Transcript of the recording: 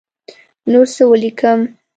نور څه ولیکم.